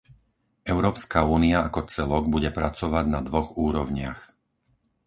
Európska únia ako celok bude pracovať na dvoch úrovniach.